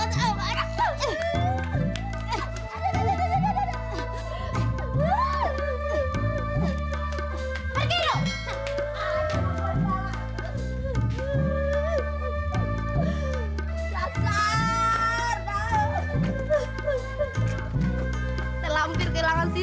jangan begitu lah